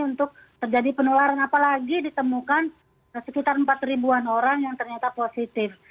untuk terjadi penularan apalagi ditemukan sekitar empat ribuan orang yang ternyata positif